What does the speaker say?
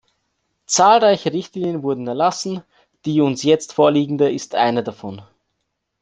Zahlreiche Richtlinien wurden erlassen, die uns jetzt vorliegende ist eine davon.